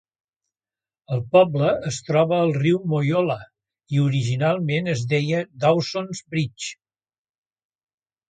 El poble es troba al riu Moyola i originalment es deia "Dawson's Bridge".